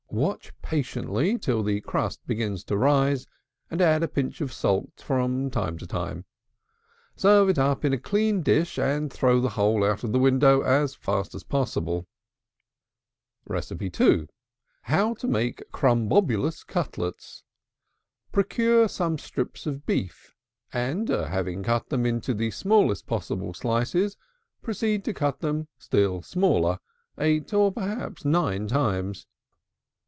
Watch patiently till the crust begins to rise, and add a pinch of salt from time to time. Serve up in a clean dish, and throw the whole out of window as fast as possible. TO MAKE CRUMBOBBLIOUS CUTLETS. Procure some strips of beef, and, having cut them into the smallest possible slices, proceed to cut them still smaller, eight, or perhaps nine times.